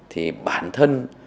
thì bản thân